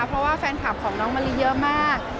เพราะว่าแฟนคลับของน้องมะลิเยอะมาก